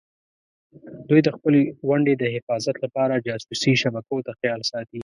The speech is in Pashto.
دوی د خپلې ونډې د حفاظت لپاره جاسوسي شبکو ته خیال ساتي.